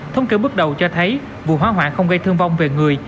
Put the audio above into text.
thông kiểu bước đầu cho thấy vụ hỏa hoạn không gây thương vong về người